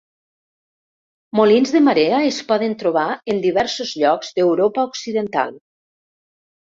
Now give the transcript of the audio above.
Molins de marea es poden trobar en diversos llocs d'Europa Occidental.